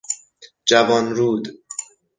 جوانرود